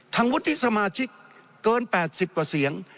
วุฒิสมาชิกเกิน๘๐กว่าเสียง